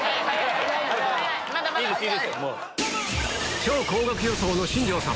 超高額予想の新庄さん。